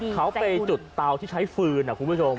เขาไปจุดเตาที่ใช้ฟืนคุณผู้ชม